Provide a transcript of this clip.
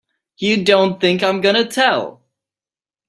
You don't think I'm gonna tell!